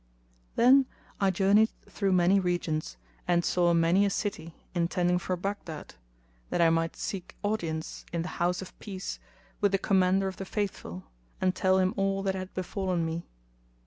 Then I journeyed through many regions and saw many a city intending for Baghdad, that I might seek audience, in the House of Peace,[FN#255] with the Commander of the Faithful and tell him all that had befallen me.